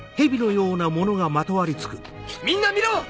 みんな見ろ！